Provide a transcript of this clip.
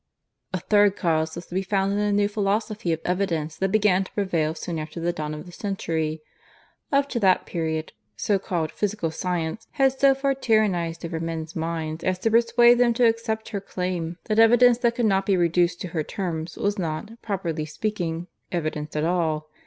"A third cause was to be found in the new philosophy of evidence that began to prevail soon after the dawn of the century. "Up to that period, so called Physical Science had so far tyrannized over men's minds as to persuade them to accept her claim that evidence that could not be reduced to her terms was not, properly speaking, evidence at all.